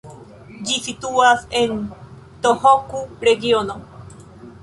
Ĝi situas en Tohoku-regiono.